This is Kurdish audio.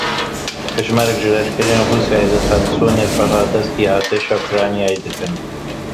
Hejmarek ji leşkerên Rûsyayê li Xersonê xwe radestî artêşa Ukryanayê dikin.